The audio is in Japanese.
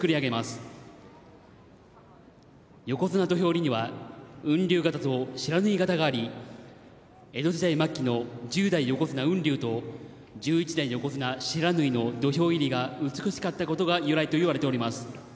横綱土俵入りには雲龍型と不知火型があり江戸時代末期の１０代横綱雲龍と１１代横綱不知火の土俵入りが美しかったことが由来といわれております。